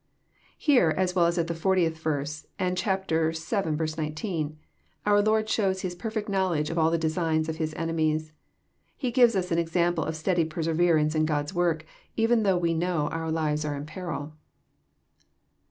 Here, as well as at the 40th verse, and chapter vii. 19, onr liord shows His perfect knowledge of all the designs of His enemies. He gives ns an example of steady perseverance in God*s work, even thongh we know our lives are in peril.